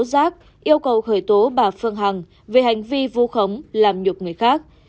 ông giác yêu cầu khởi tố bà phương hằng về hành vi vô khống làm nhục người khác